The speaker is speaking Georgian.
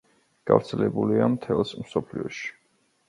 გავრცელებულია მთელს მსოფლიოში.